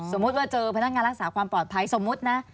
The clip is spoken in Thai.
ว่าเจอพนักงานรักษาความปลอดภัยสมมุตินะ